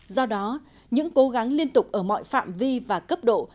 do đó những cố gắng liên tục ở mọi phạm vi và cấp độ